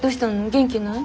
元気ない？